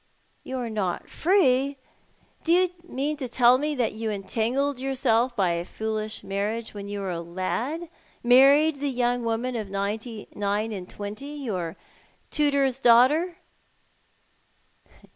" You are not free ! Do you mean to tell me that you en tangled yourself by a foolish marriage while you were a lad — married the young woman of nine and twenty, your tutor's daughter